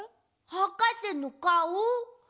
はかせのかお！？